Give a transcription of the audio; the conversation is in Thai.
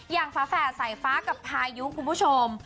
อย่างฟ้าแฝ่อสายฟ้ากับพายุคุณผู้ชม